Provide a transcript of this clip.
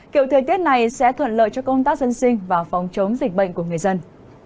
kiểu thời tiết này sẽ thuận lợi cho công tác dân sinh và phòng chống dịch bệnh của người dân